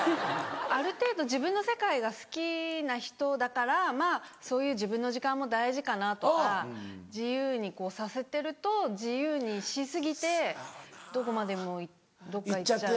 ある程度自分の世界が好きな人だからまぁそういう自分の時間も大事かなとか自由にさせてると自由にし過ぎてどこまでもどっか行っちゃう。